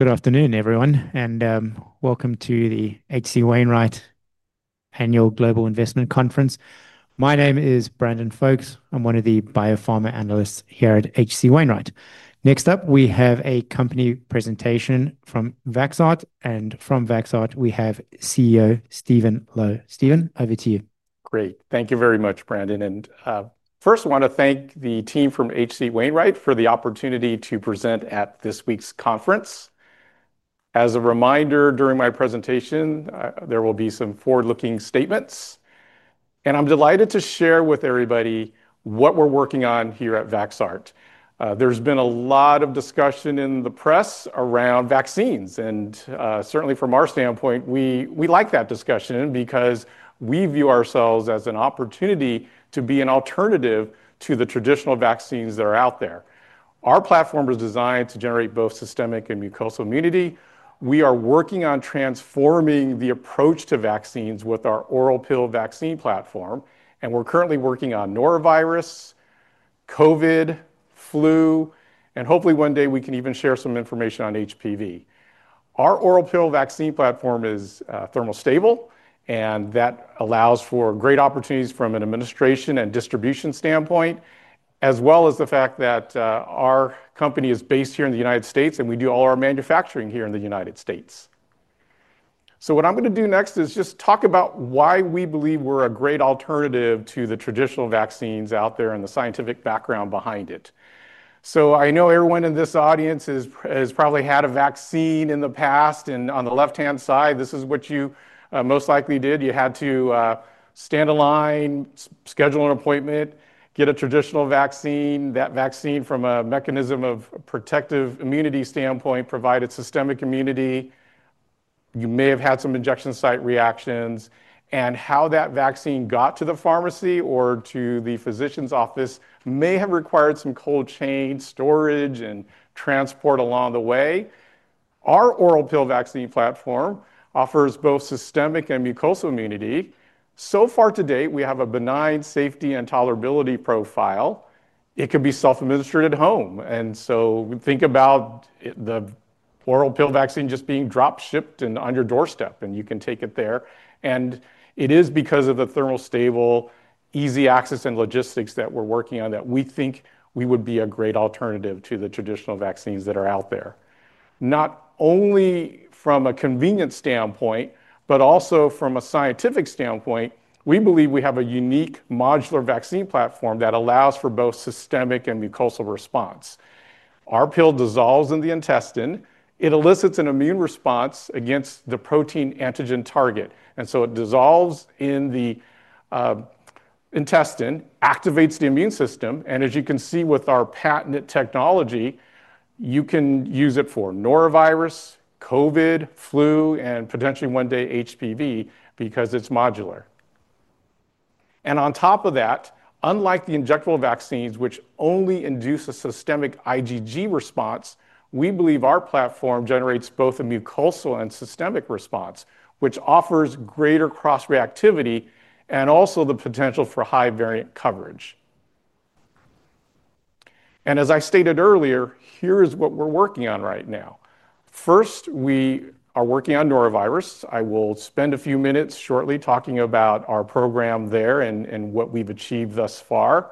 Good afternoon, everyone, and welcome to the H.C. Wainwright Annual Global Investment Conference. My name is Brandon Folkes. I'm one of the Biopharma analysts here at H.C. Wainwright. Next up, we have a company presentation from Vaxart, and from Vaxart, we have CEO Stephen Lo. Stephen, over to you. Great, thank you very much, Brandon. First, I want to thank the team from H.C. Wainwright for the opportunity to present at this week's conference. As a reminder, during my presentation, there will be some forward-looking statements. I'm delighted to share with everybody what we're working on here at Vaxart. There's been a lot of discussion in the press around vaccines, and certainly from our standpoint, we like that discussion because we view ourselves as an opportunity to be an alternative to the traditional vaccines that are out there. Our platform is designed to generate both systemic and mucosal immunity. We are working on transforming the approach to vaccines with our oral pill vaccine platform, and we're currently working on norovirus, COVID-19, flu, and hopefully one day we can even share some information on human papillomavirus (HPV). Our oral pill vaccine platform is thermally stable, and that allows for great opportunities from an administration and distribution standpoint, as well as the fact that our company is based here in the United States, and we do all our manufacturing here in the United States. What I'm going to do next is just talk about why we believe we're a great alternative to the traditional vaccines out there and the scientific background behind it. I know everyone in this audience has probably had a vaccine in the past, and on the left-hand side, this is what you most likely did. You had to stand in line, schedule an appointment, get a traditional vaccine. That vaccine, from a mechanism of protective immunity standpoint, provided systemic immunity. You may have had some injection site reactions, and how that vaccine got to the pharmacy or to the physician's office may have required some cold chain storage and transport along the way. Our oral pill vaccine platform offers both systemic and mucosal immunity. So far to date, we have a benign safety and tolerability profile. It could be self-administered at home. We think about the oral pill vaccine just being drop-shipped and on your doorstep, and you can take it there. It is because of the thermally stable, easy access, and logistics that we're working on that we think we would be a great alternative to the traditional vaccines that are out there. Not only from a convenience standpoint, but also from a scientific standpoint, we believe we have a unique modular vaccine platform that allows for both systemic and mucosal response. Our pill dissolves in the intestine. It elicits an immune response against the protein antigen target, and it dissolves in the intestine, activates the immune system. As you can see with our patented technology, you can use it for norovirus, COVID-19, flu, and potentially one day HPV because it's modular. On top of that, unlike the injectable vaccines, which only induce a systemic IgG response, we believe our platform generates both a mucosal and systemic response, which offers greater cross-reactivity and also the potential for high variant coverage. As I stated earlier, here is what we're working on right now. First, we are working on norovirus. I will spend a few minutes shortly talking about our program there and what we've achieved thus far.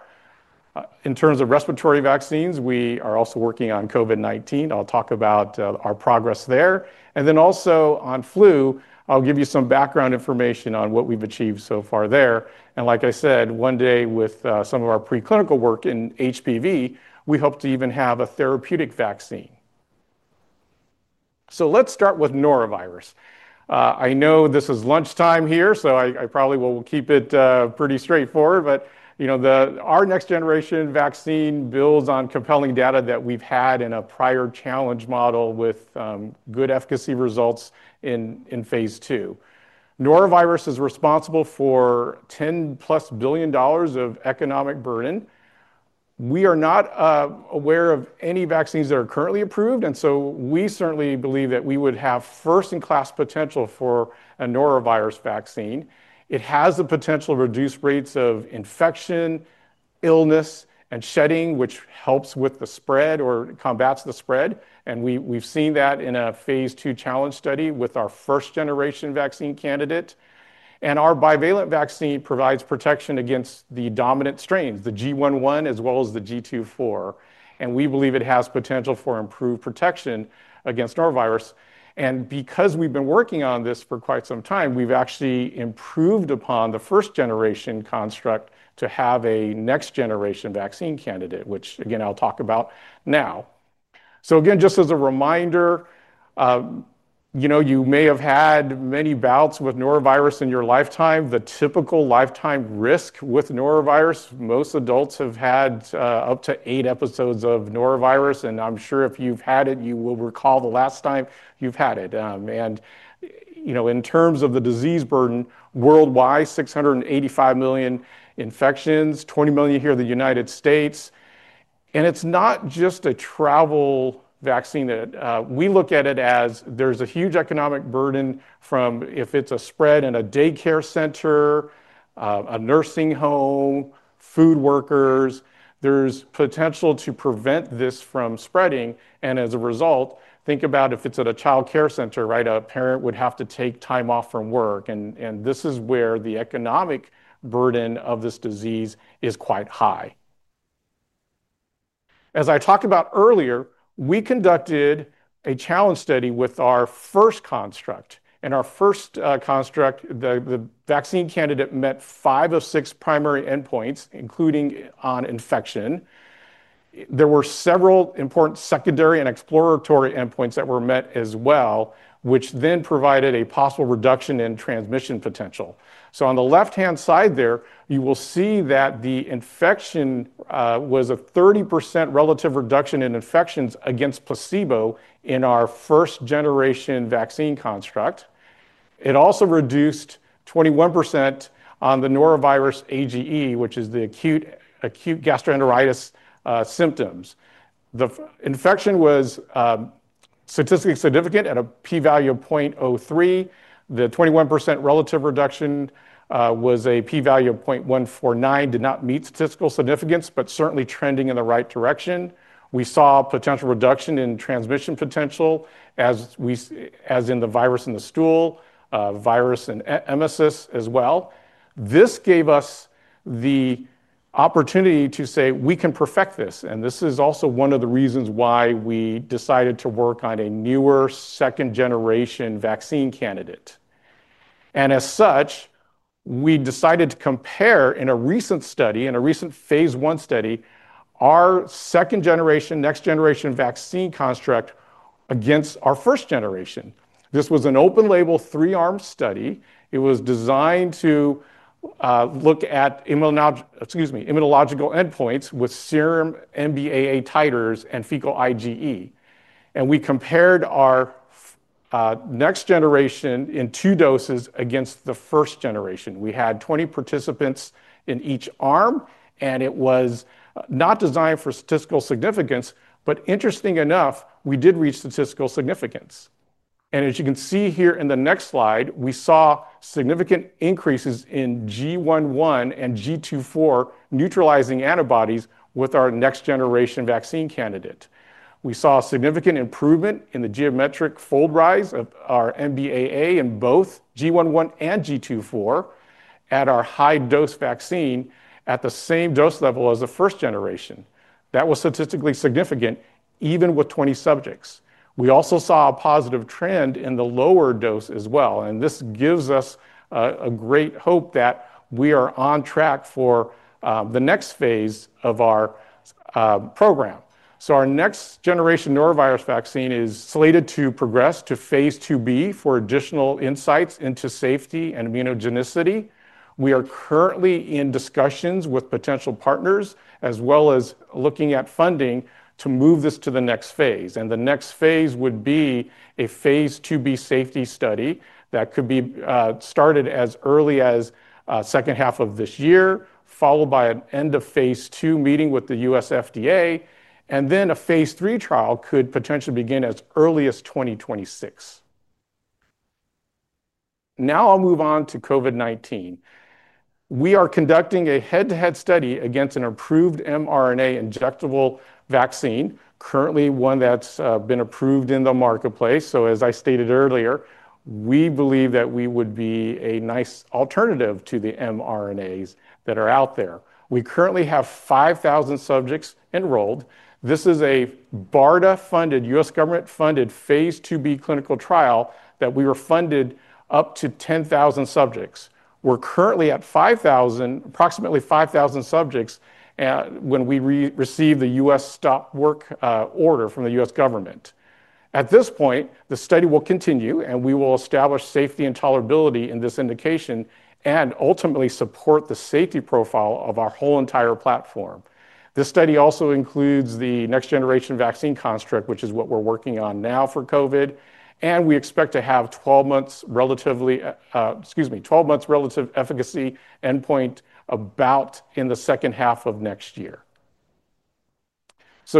In terms of respiratory vaccines, we are also working on COVID-19. I'll talk about our progress there. Also on flu, I'll give you some background information on what we've achieved so far there. Like I said, one day with some of our preclinical work in HPV, we hope to even have a therapeutic vaccine. Let's start with norovirus. I know this is lunchtime here, so I probably will keep it pretty straightforward. Our next generation vaccine builds on compelling data that we've had in a prior challenge model with good efficacy results in phase 2. Norovirus is responsible for $10+ billion of economic burden. We are not aware of any vaccines that are currently approved, and we certainly believe that we would have first-in-class potential for a norovirus vaccine. It has the potential to reduce rates of infection, illness, and shedding, which helps with the spread or combats the spread. We've seen that in a phase 2 challenge study with our first generation vaccine candidate. Our bivalent vaccine provides protection against the dominant strains, the GI.1 as well as the GII.4. We believe it has potential for improved protection against norovirus. Because we've been working on this for quite some time, we've actually improved upon the first generation construct to have a next generation vaccine candidate, which again I'll talk about now. Again, just as a reminder, you may have had many bouts with norovirus in your lifetime. The typical lifetime risk with norovirus, most adults have had up to eight episodes of norovirus. I'm sure if you've had it, you will recall the last time you've had it. In terms of the disease burden, worldwide, 685 million infections, 20 million here in the United States. It is not just a travel vaccine. We look at it as there's a huge economic burden from if it's a spread in a daycare center, a nursing home, food workers. There's potential to prevent this from spreading. As a result, think about if it's at a child care center, a parent would have to take time off from work. This is where the economic burden of this disease is quite high. As I talked about earlier, we conducted a challenge study with our first construct. Our first construct, the vaccine candidate, met five of six primary endpoints, including on infection. There were several important secondary and exploratory endpoints that were met as well, which then provided a possible reduction in transmission potential. On the left-hand side there, you will see that the infection was a 30% relative reduction in infections against placebo in our first generation vaccine construct. It also reduced 21% on the norovirus AGE, which is the acute gastroenteritis symptoms. The infection was statistically significant at a p-value of 0.03. The 21% relative reduction was a p-value of 0.149. It did not meet statistical significance, but certainly trending in the right direction. We saw a potential reduction in transmission potential, as in the virus in the stool, virus in emesis as well. This gave us the opportunity to say we can perfect this. This is also one of the reasons why we decided to work on a newer second generation vaccine candidate. As such, we decided to compare in a recent study, in a recent phase 1 study, our second generation, next generation vaccine construct against our first generation. This was an open label three arm study. It was designed to look at immunological endpoints with serum MBAA titers and fecal IgE. We compared our next generation in two doses against the first generation. We had 20 participants in each arm, and it was not designed for statistical significance, but interesting enough, we did reach statistical significance. As you can see here in the next slide, we saw significant increases in GI.1 and GII.4 neutralizing antibodies with our next generation vaccine candidate. We saw a significant improvement in the geometric fold rise of our MBAA in both GI.1 and GII.4 at our high dose vaccine at the same dose level as the first generation. That was statistically significant, even with 20 subjects. We also saw a positive trend in the lower dose as well. This gives us great hope that we are on track for the next phase of our program. Our next generation norovirus vaccine is slated to progress to phase 2B for additional insights into safety and immunogenicity. We are currently in discussions with potential partners, as well as looking at funding to move this to the next phase. The next phase would be a phase 2B safety study that could be started as early as the second half of this year, followed by an end of phase two meeting with the U.S. FDA. A phase three trial could potentially begin as early as 2026. Now I'll move on to COVID-19. We are conducting a head-to-head study against an approved mRNA injectable vaccine, currently one that's been approved in the marketplace. As I stated earlier, we believe that we would be a nice alternative to the mRNAs that are out there. We currently have 5,000 subjects enrolled. This is a BARDA-funded, U.S. government-funded phase 2B clinical trial that we were funded up to 10,000 subjects. We're currently at approximately 5,000 subjects when we received the U.S. stop work order from the U.S. government. At this point, the study will continue, and we will establish safety and tolerability in this indication and ultimately support the safety profile of our whole entire platform. This study also includes the next generation vaccine construct, which is what we're working on now for COVID. We expect to have 12 months relative efficacy endpoint about in the second half of next year.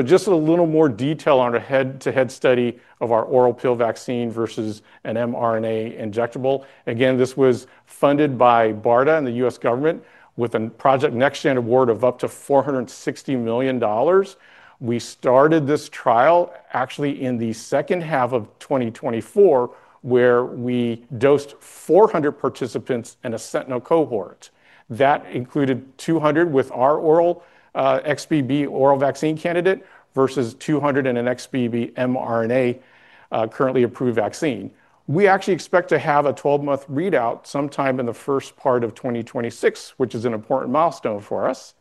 Just a little more detail on a head-to-head study of our oral pill vaccine versus an mRNA injectable. This was funded by BARDA and the U.S. government with a Project NextGen award of up to $460 million. We started this trial in the second half of 2024, where we dosed 400 participants in a sentinel cohort. That included 200 with our oral XBB oral vaccine candidate versus 200 in an XBB mRNA currently approved vaccine. We actually expect to have a 12-month readout sometime in the first part of 2026, which is an important milestone for us.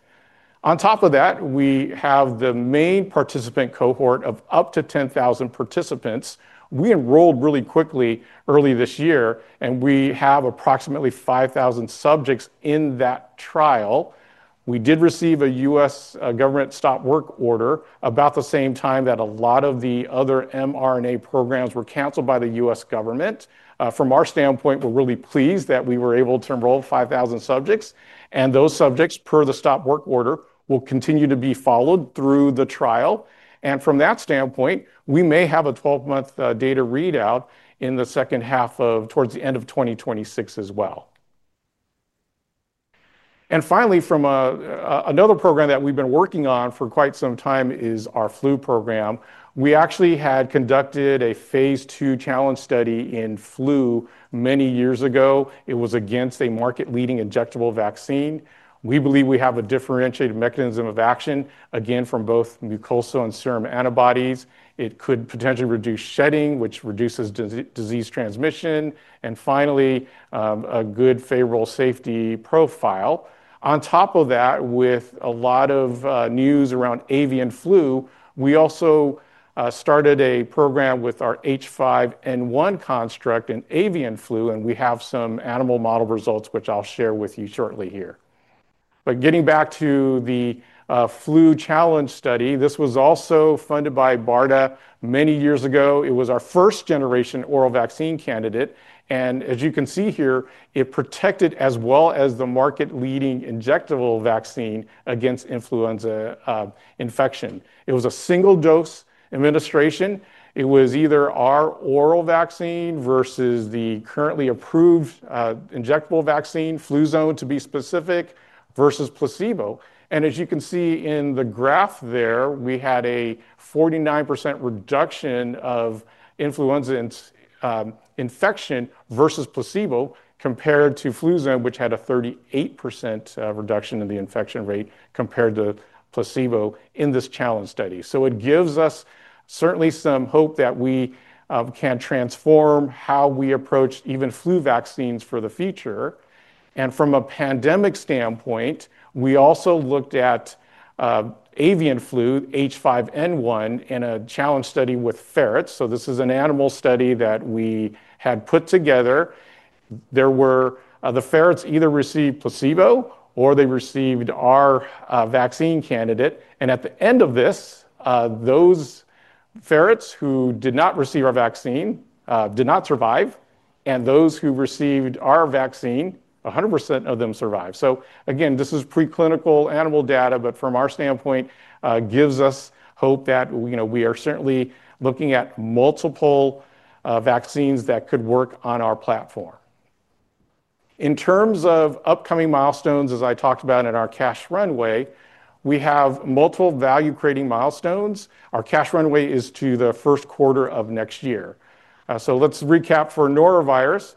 On top of that, we have the main participant cohort of up to 10,000 participants. We enrolled really quickly early this year, and we have approximately 5,000 subjects in that trial. We did receive a U.S. government stop work order about the same time that a lot of the other mRNA programs were canceled by the U.S. government. From our standpoint, we're really pleased that we were able to enroll 5,000 subjects. Those subjects, per the stop work order, will continue to be followed through the trial. From that standpoint, we may have a 12-month data readout in the second half of towards the end of 2026 as well. Finally, another program that we've been working on for quite some time is our flu program. We actually had conducted a phase 2 challenge study in flu many years ago. It was against a market-leading injectable vaccine. We believe we have a differentiated mechanism of action, again from both mucosal and serum antibodies. It could potentially reduce shedding, which reduces disease transmission, and finally, a good favorable safety profile. On top of that, with a lot of news around avian flu, we also started a program with our H5N1 construct in avian flu, and we have some animal model results, which I'll share with you shortly here. Getting back to the flu challenge study, this was also funded by BARDA many years ago. It was our first generation oral vaccine candidate. As you can see here, it protected as well as the market-leading injectable vaccine against influenza infection. It was a single dose administration. It was either our oral vaccine versus the currently approved injectable vaccine, Fluzone to be specific, versus placebo. As you can see in the graph there, we had a 49% reduction of influenza infection versus placebo compared to Fluzone, which had a 38% reduction in the infection rate compared to placebo in this challenge study. It gives us certainly some hope that we can transform how we approach even flu vaccines for the future. From a pandemic standpoint, we also looked at avian flu, H5N1, in a challenge study with ferrets. This is an animal study that we had put together. The ferrets either received placebo or they received our vaccine candidate. At the end of this, those ferrets who did not receive our vaccine did not survive. Those who received our vaccine, 100% of them survived. This is preclinical animal data, but from our standpoint, it gives us hope that we are certainly looking at multiple vaccines that could work on our platform. In terms of upcoming milestones, as I talked about in our cash runway, we have multiple value creating milestones. Our cash runway is to the first quarter of next year. Let's recap for norovirus.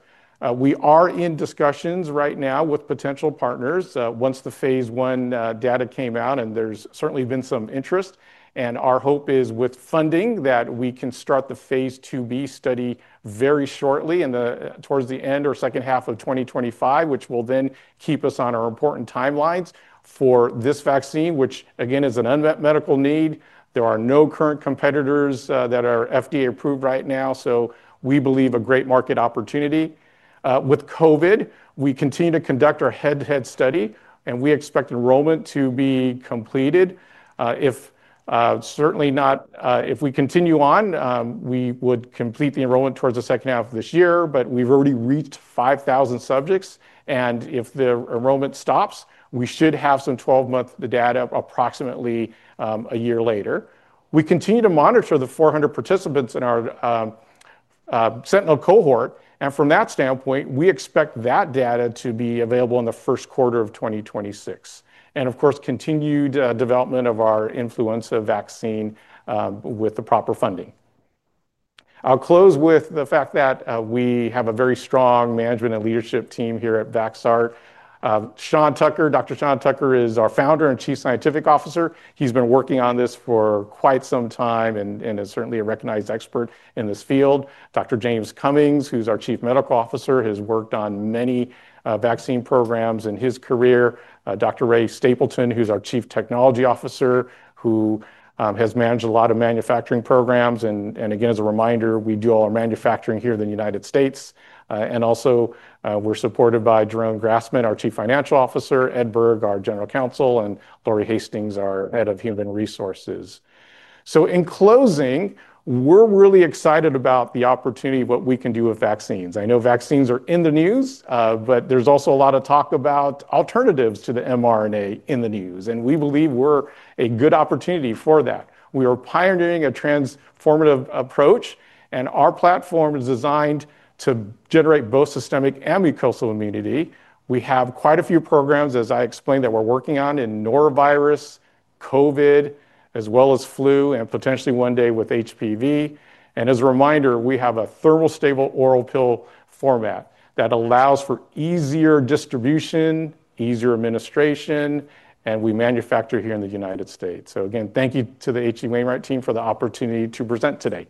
We are in discussions right now with potential partners once the phase 1 data came out, and there's certainly been some interest. Our hope is with funding that we can start the phase 2B study very shortly towards the end or second half of 2025, which will then keep us on our important timelines for this vaccine, which again is an unmet medical need. There are no current competitors that are FDA approved right now. We believe a great market opportunity. With COVID-19, we continue to conduct our head-to-head study, and we expect enrollment to be completed. If we continue on, we would complete the enrollment towards the second half of this year, but we've already reached 5,000 subjects. If the enrollment stops, we should have some 12-month data approximately a year later. We continue to monitor the 400 participants in our sentinel cohort. From that standpoint, we expect that data to be available in the first quarter of 2026. Of course, continued development of our influenza vaccine with the proper funding. I'll close with the fact that we have a very strong management and leadership team here at Vaxart Inc. Dr. Sean Tucker is our Founder and Chief Scientific Officer. He's been working on this for quite some time and is certainly a recognized expert in this field. Dr. James Cummings, who's our Chief Medical Officer, has worked on many vaccine programs in his career. Dr. Ray Stapleton, who's our Chief Technology Officer, has managed a lot of manufacturing programs. As a reminder, we do all our manufacturing here in the United States. We're also supported by Jeroen Grasman, our Chief Financial Officer, Ed Berg, our General Counsel, and Lori Hastings, our Head of Human Resources. In closing, we're really excited about the opportunity of what we can do with vaccines. I know vaccines are in the news, but there's also a lot of talk about alternatives to the mRNA in the news. We believe we're a good opportunity for that. We are pioneering a transformative approach, and our platform is designed to generate both systemic and mucosal immunity. We have quite a few programs, as I explained, that we're working on in norovirus, COVID-19, as well as flu, and potentially one day with human papillomavirus (HPV). As a reminder, we have a thermally stable oral pill format that allows for easier distribution, easier administration, and we manufacture here in the United States. Thank you to the H.C. Wainwright team for the opportunity to present today.